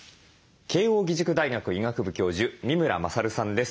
慶應義塾大学医学部教授三村將さんです。